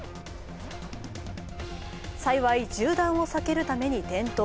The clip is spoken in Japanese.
幸い、銃弾を避けるために転倒。